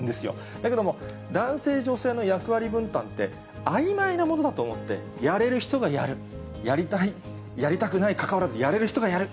だけども男性、女性の役割分担って、あいまいなものだと思って、やれる人がやる、やりたい、やりたくないかかわらず、やれる人がやる。